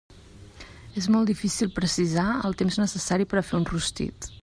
És molt difícil precisar el temps necessari per a fer un rostit.